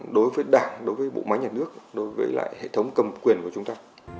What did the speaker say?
đối với đảng đối với bộ máy nhà nước đối với lại hệ thống cầm quyền của chúng ta